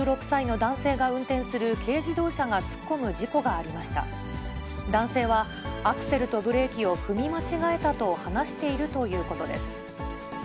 男性はアクセルとブレーキを踏み間違えたと話しているということです。